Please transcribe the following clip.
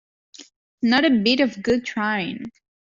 Not a bit of good trying.